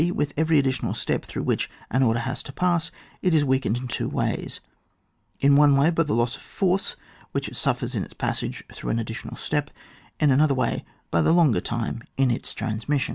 With every additional step through which an order has to pass, it is weakened in two ways : in one way by the loss of force, which it suffers in its passage through an additional step; in another way by the longer time in its trans mission.